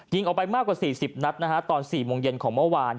ออกไปมากกว่า๔๐นัดนะฮะตอน๔โมงเย็นของเมื่อวาน